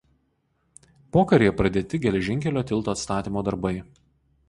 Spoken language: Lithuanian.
Pokaryje pradėti geležinkelio tilto atstatymo darbai.